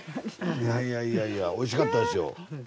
いやいやいやいやおいしかったですよ。